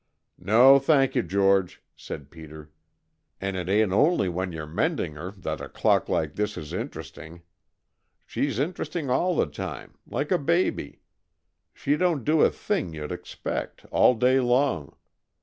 "No, thank you, George," said Peter. "And it ain't only when you 're mending her that a clock like this is interesting. She's interesting all the time, like a baby. She don't do a thing you'd expect, all day long.